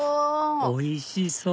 おいしそう！